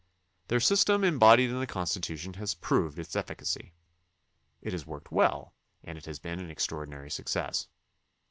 Their system embodied in the Constitution has proved its efficacy. It has worked well and it has been an extraordinary success.